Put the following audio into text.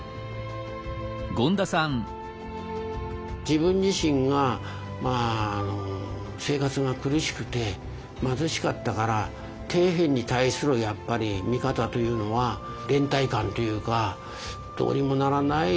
自分自身が生活が苦しくて貧しかったから底辺に対する見方というのは連帯感というかどうにもならない